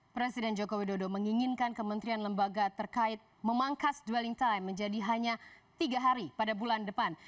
presiden joko widodo menginginkan kementerian lembaga terkait memangkas dwelling time menjadi hanya tiga hari pada bulan depan